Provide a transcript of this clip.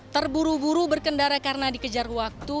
terburu buru berkendara karena dikejar waktu